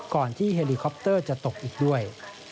ก่อนที่เฮลิคอปเตอร์จะตกอีกด้วย